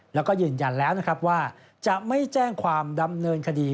แล้วก็ยืนยันแล้วนะครับว่าจะไม่แจ้งความดำเนินคดี